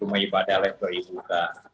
rumah ibadah lezat ibu ka